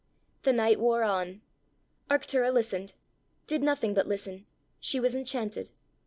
The night wore on. Arctura listened did nothing but listen; she was enchanted.